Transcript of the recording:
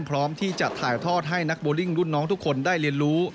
พร้อมที่จะถ่ายทอดให้นักโบลิ่งรุ่นน้องทุกคนได้เรียนรู้